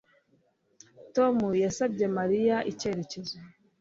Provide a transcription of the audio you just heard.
Tom yasabye Mariya icyerekezo